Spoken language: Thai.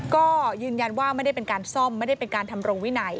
ก็ยืนยันว่าไม่ได้เป็นการซ่อมไม่ได้เป็นการทำรงวินัย